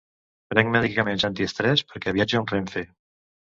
Prenc medicaments antiestrès perquè viatjo amb Renfe.